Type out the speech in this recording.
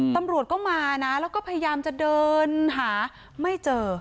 ตำรวจก็มานะแล้วก็พยายามจะเดินหาไม่เจอ